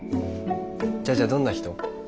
じゃあじゃあどんな人？